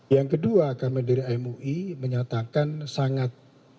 yang kedua kami dari mui menyatakan sangat